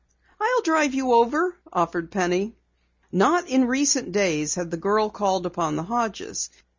"I'll drive you over," offered Penny. Not in recent days had the girl called upon the Hodges.